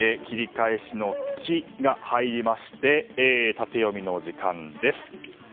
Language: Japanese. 切り返しの「キ」が入りましてタテヨミの時間です。